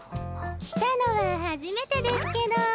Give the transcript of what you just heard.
来たのは初めてですけど。